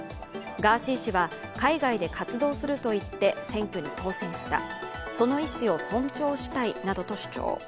ガーシー氏は海外で活動するといって選挙に当選した、その意思を尊重したいなどと主張。